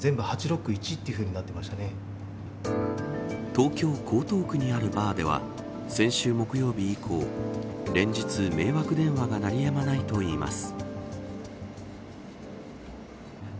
東京・江東区にあるバーでは先週木曜日以降、連日迷惑電話が鳴り止まないといいます。